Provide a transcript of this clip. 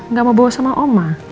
nggak mau bawa sama oma